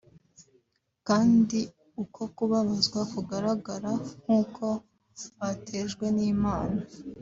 kandi uko kubabazwa kukagaragara nk’uko batejwe n’Imana